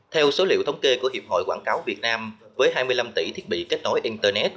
theo số liệu thống kê của hiệp hội quảng cáo việt nam với hai mươi năm tỷ thiết bị kết nối internet